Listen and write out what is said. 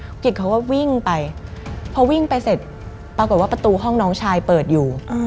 คุณกิจเขาก็วิ่งไปพอวิ่งไปเสร็จปรากฏว่าประตูห้องน้องชายเปิดอยู่